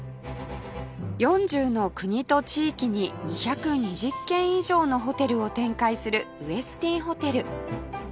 ４０の国と地域に２２０軒以上のホテルを展開するウェスティンホテル